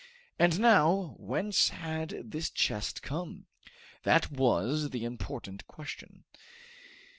And now, whence had this chest come? That was the important question.